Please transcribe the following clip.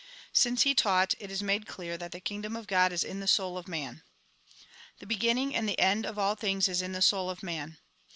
Since he taught, it is made clear that the Kingdom of God is in the soul of man. " The beginning and the end of all things is in 173 174 THE GOSPEL IN BRIEF the soul of man.